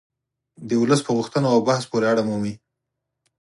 د ولس په غوښتنو او بحث پورې اړه مومي